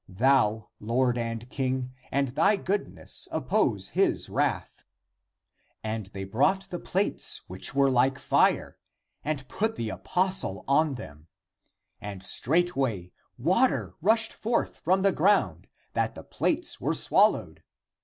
Thou, Lord and King, and thy goodness oppose his (the king's) wrath!" And they brought the plates which were like fire, and put the apostle on them. And straightway water rushed forth from the ground, that the plates were swallowed.